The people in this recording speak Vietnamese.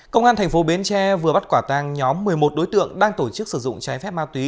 công an thành phố bến tre vừa bắt quả tang nhóm một mươi một đối tượng đang tổ chức sử dụng trái phép ma túy